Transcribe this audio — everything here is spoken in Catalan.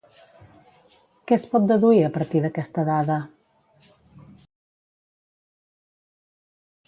Què es pot deduir a partir d'aquesta dada?